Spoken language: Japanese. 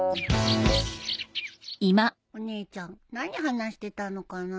お姉ちゃん何話してたのかな。